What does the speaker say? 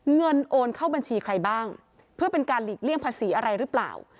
เงินโอนเข้าบัญชีใครบ้างเพื่อเป็นการหลีกเลี่ยงภาษีอะไรหรือเปล่า